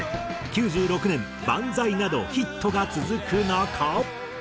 ９６年『バンザイ』などヒットが続く中。